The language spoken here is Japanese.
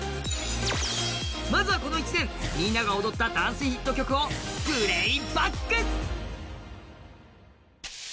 まずはこの１年、みんなが踊ったダンスミュージックをプレーバック。